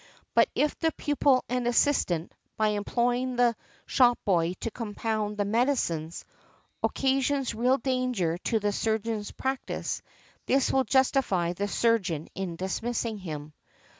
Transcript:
But if the "pupil and assistant," by employing the shop boy to compound the medicines, occasions real danger to the surgeon's practice, this would justify the surgeon in dismissing him .